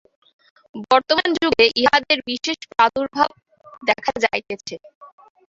বর্তমান যুগে ইহাদের বিশেষ প্রাদুর্ভাব দেখা যাইতেছে।